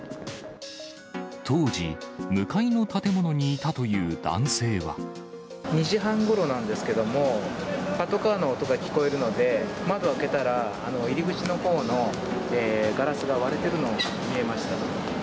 当時、２時半ごろなんですけども、パトカーの音が聞こえるので、窓開けたら、入口のほうのガラスが割れてるのが見えました。